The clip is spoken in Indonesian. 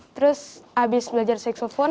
terus abis belajar saksepon